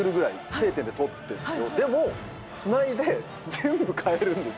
でもつないで全部変えるんですよ。